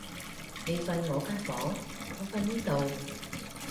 你瞓我間房，我瞓呢度